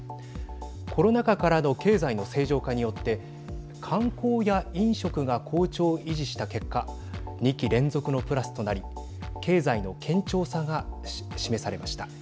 コロナ禍からの経済の正常化によって観光や飲食が好調を維持した結果２期連続のプラスとなり経済の堅調さが示されました。